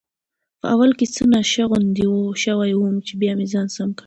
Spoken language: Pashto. په اول کې څه نشه غوندې شوی وم، چې بیا مې ځان سم کړ.